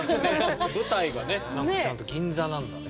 舞台がねちゃんと銀座なんだね。